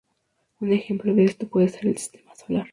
Un ejemplo de esto puede ser el Sistema Solar.